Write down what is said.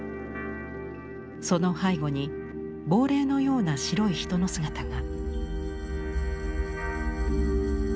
その背後に亡霊のような白い人の姿が。